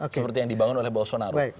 seperti yang dibangun oleh bolsonaro